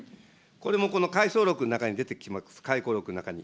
これもこの回想録の中に出てきます、回顧録の中に。